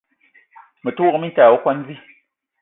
Me te wok minta ayi okwuan vi.